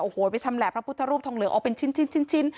โอ้โหไปชำแหละพระพุทธรูปทองเหลืองออกเป็นชิ้น